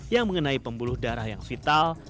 yang mengenai pembuluh darah yang vital